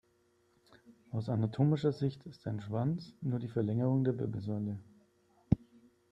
Aus anatomischer Sicht ist ein Schwanz nur die Verlängerung der Wirbelsäule.